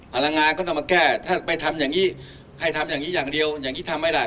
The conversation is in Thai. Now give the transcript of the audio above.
พลังงานก็ต้องมาแก้ถ้าไปทำอย่างนี้ให้ทำอย่างนี้อย่างเดียวอย่างนี้ทำไม่ได้